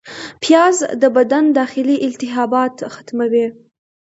پیاز د بدن داخلي التهابات ختموي